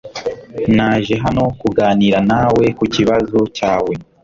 Naje hano kuganira nawe kukibazo cyawe.